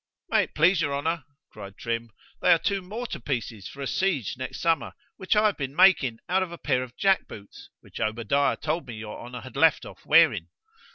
—May it please your honour, cried Trim, they are two mortar pieces for a siege next summer, which I have been making out of a pair of jack boots, which Obadiah told me your honour had left off wearing.